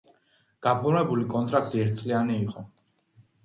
გაფორმებული კონტრაქტი ერთწლიანი იყო.